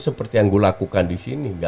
seperti yang gue lakukan disini